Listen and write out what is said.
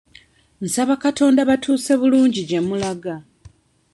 Nsaba Katonda abatuuse bulungi gye mulaga.